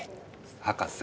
博士。